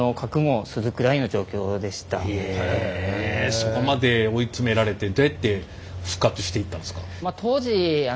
そこまで追い詰められてどうやって復活していったんですか？